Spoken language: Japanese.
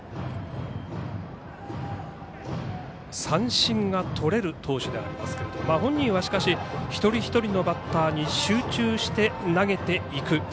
三振がとれる投手ではありますが本人はしかし一人一人のバッターに集中して投げていく。